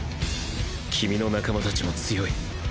君の仲間たちも強い。